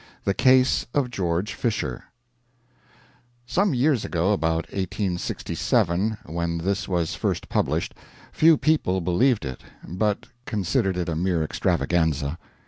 THE CASE OF GEORGE FISHER [Some years ago, about 1867, when this was first published, few people believed it, but considered it a mere extravaganza.